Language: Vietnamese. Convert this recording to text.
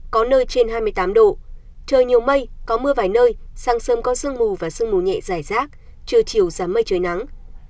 có nơi trên hai mươi tám độ trời nhiều mây có mưa vài nơi sáng sớm có sương mù và sương mù nhẹ dài rác trưa chiều giảm mây trời nắng